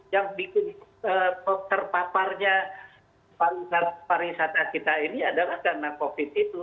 yang terpaparnya para wisata kita ini adalah karena covid itu